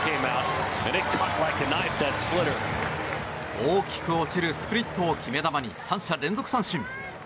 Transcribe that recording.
大きく落ちるスプリットを決め球に３者連続三振。